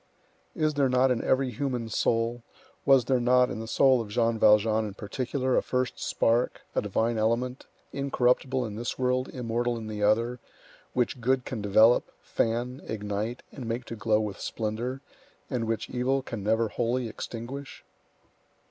Is there not in every human soul, was there not in the soul of Jean Valjean in particular, a first spark, a divine element, incorruptible in this world, immortal in the other, which good can develop, fan, ignite, and make to glow with splendor, and which evil can never wholly extinguish?